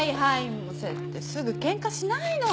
もうそうやってすぐケンカしないの！